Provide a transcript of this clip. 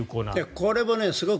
これもすごく。